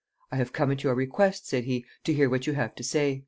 "I have come at your request," said he, "to hear what you have to say."